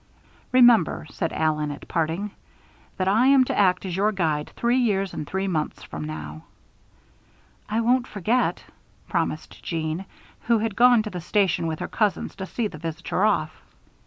"Remember," said Allen, at parting, "that I am to act as your guide three years and three months from now." "I won't forget," promised Jeanne, who had gone to the station with her cousins to see the visitor off.